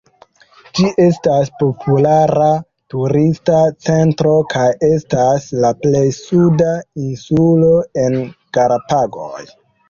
Ĝi estas populara turista centro, kaj estas la plej suda insulo en Galapagoj.